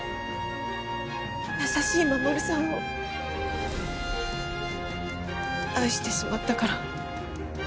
優しい守さんを愛してしまったから。